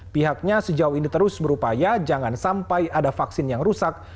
pihaknya sejauh ini terus berupaya jangan sampai ada vaksin yang rusak